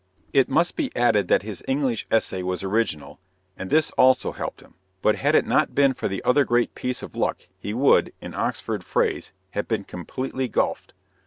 It must be added that his English essay was original, and this also helped him; but had it not been for the other great piece of luck he would, in Oxford phrase, have been "completely gulfed."